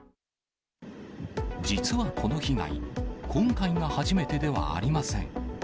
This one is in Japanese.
実はこの被害、今回が初めてではありません。